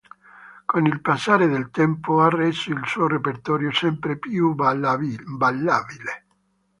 Con il passare del tempo, ha reso il suo repertorio sempre più ballabile.